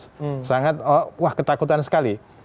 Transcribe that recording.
wah sangat ketakutan sekali